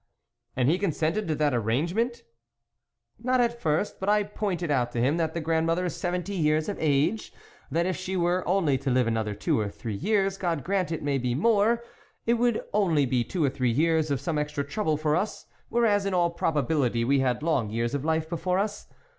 *'" And he consented to that arrange ment ?"" Not at first, but I pointed out to him that the grandmother is seventy years of age ; that if she were only to live another two or three years, God grant it may be more ! it would only be two or three years of some extra trouble for us, whereas, in all probability we had long years of life before us.